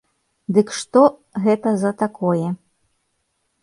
Дык што гэта за такое?